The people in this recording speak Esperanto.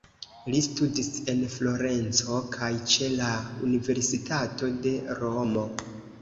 Li studis en Florenco kaj ĉe la universitato de Romo.